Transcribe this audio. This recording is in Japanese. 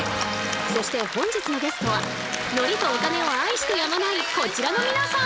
そして本日のゲストは海苔とお金を愛してやまないこちらの皆さん！